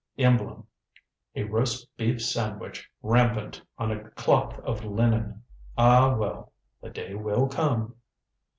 Emblem, a roast beef sandwich rampant, on a cloth of linen. Ah, well the day will come."